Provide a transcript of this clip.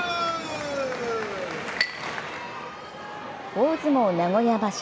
大相撲名古屋場所